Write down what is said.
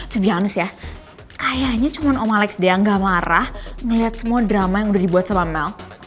to be honest ya kayaknya cuma om malex deh yang gak marah ngelihat semua drama yang udah dibuat sama mel